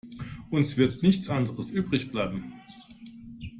Uns wird nichts anderes übrig bleiben.